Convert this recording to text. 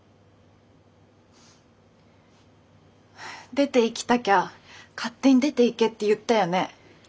出て行きたきゃ勝手に出て行けって言ったよね？